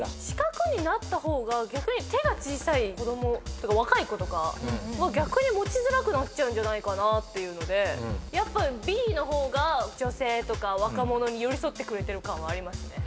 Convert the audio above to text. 四角になった方が手が小さい子供とか若い子とかは逆に持ちづらくなっちゃうんじゃないかなっていうのでやっぱＢの方が女性とか若者に寄り添ってくれてる感はあります。